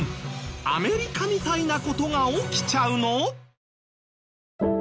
アメリカみたいな事が起きちゃうの？